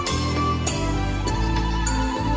ตอนต่อไป